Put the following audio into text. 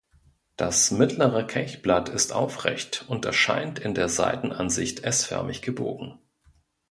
Das mittlere Kelchblatt ist aufrecht und erscheint in der Seitenansicht S-förmig gebogen.